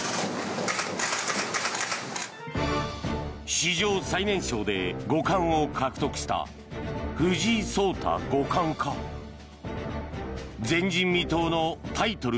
史上最年少で五冠を獲得した藤井聡太五冠か前人未到のタイトル